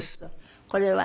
これは？